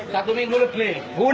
satu minggu lukis